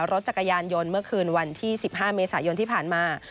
รถจักรยานยนต์เมื่อคืนวันที่๑๕เมษายนที่ผ่านมา